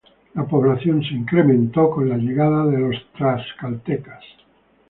La población incrementó por la llegada de los Tlaxcaltecas.